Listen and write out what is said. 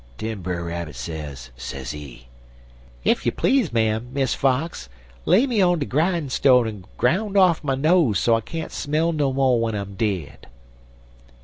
Den Brer Rabbit sez, sezee: "'Ef you please, ma'am, Miss Fox, lay me on de grinestone en groun off my nose so I can't smell no mo' w'en I'm dead.'